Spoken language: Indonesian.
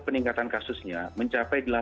peningkatan kasusnya mencapai delapan